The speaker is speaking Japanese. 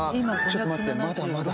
ちょっと待ってまだまだ。